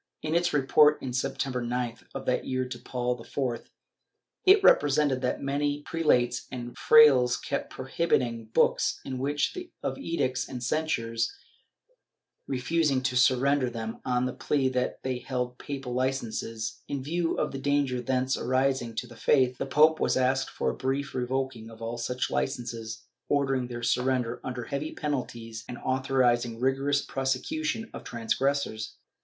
In its report of September 9th of that year to Paul IV, it represented that many prelates and frailes kept prohibited books, in spite of edicts and censures, refusing to surrender them on the plea that they held papal licences; in view of the danger thence arising to the faith, the pope was asked for a brief revoking all such licences, ordering their surrender under heavy penalties and authorizing rigorous prosecution of transgressors.